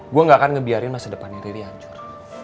gue gak akan ngebiarin masa depannya diri hancur